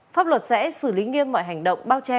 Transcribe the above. pháp luật sẽ xử lý nghiêm mọi hành động bao che